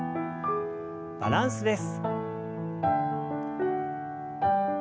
バランスです。